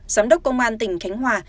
giám đốc công an tỉnh khánh hòa